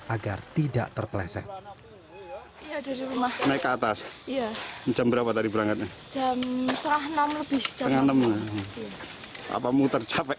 agar tidak terpeleset